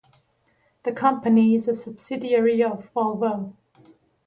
The company is a subsidiary of Volvo.